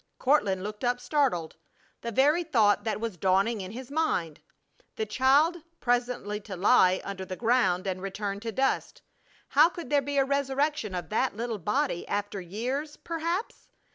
Courtland looked up, startled. The very thought that was dawning in his mind! The child, presently to lie under the ground and return to dust! How could there be a resurrection of that little body after years, perhaps?